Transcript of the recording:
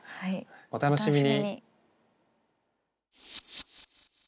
お楽しみに。